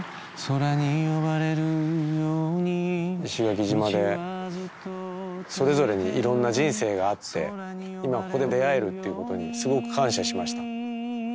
石垣島でそれぞれにいろんな人生があって今ここで出会えるってことにすごく感謝しました。